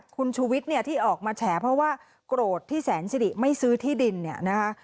คุณชูวิทย์เนี่ยที่ออกมาแฉเพราะว่าโกรธที่แสนสิริไม่ซื้อที่ดินเนี่ยนะคะ